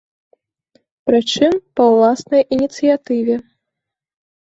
Прычым, па ўласнай ініцыятыве.